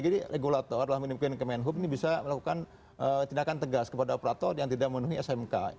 jadi regulator yang menimpin kemenhub ini bisa melakukan tindakan tegas kepada operator yang tidak memenuhi smk